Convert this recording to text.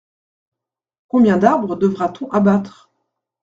Combien d’arbres devra-t-on abattre ?